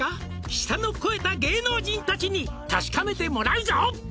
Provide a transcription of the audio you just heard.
「舌の肥えた芸能人達に確かめてもらうぞ」